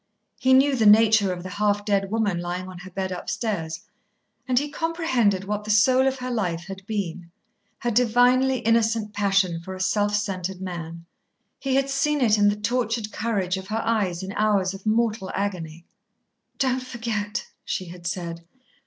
He knew the nature of the half dead woman lying on her bed upstairs, and he comprehended what the soul of her life had been, her divinely innocent passion for a self centred man. He had seen it in the tortured courage of her eyes in hours of mortal agony. "Don't forget," she had said.